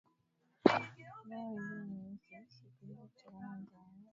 ingawa wengine ni weusi siku hizi kutokana na mchanganyiko